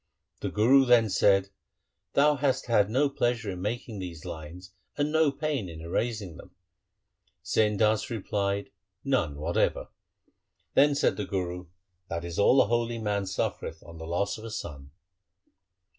The Guru then said, ' Thou hast had no pleasure in making these lines and no pain in erasing them.' Sain Das replied, ' None whatever.' Then said the Guru, ' That is all a holy man suffereth on the loss of a son.'